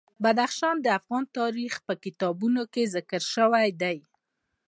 بدخشان د افغان تاریخ په کتابونو کې ذکر شوی دي.